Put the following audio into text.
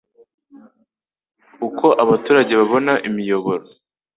uko abaturage babona imiyoboro